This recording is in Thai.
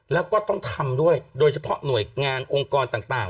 แล้วก็ถ่ำด้วยโดยเฉพาะเนื่อยงานองกรต่าง